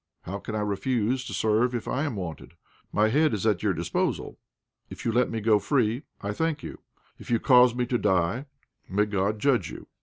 How can I refuse to serve if I am wanted? My head is at your disposal; if you let me go free, I thank you; if you cause me to die, may God judge you.